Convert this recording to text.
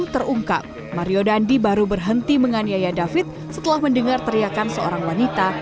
terungkap mario dandi baru berhenti menganiaya david setelah mendengar teriakan seorang wanita